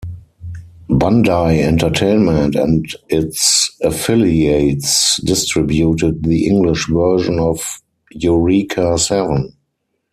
Bandai Entertainment and its affiliates distributed the English version of "Eureka Seven".